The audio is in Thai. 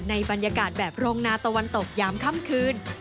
ในบรรยากาศแบบโรงนาตะวันตกยามค่ำคืน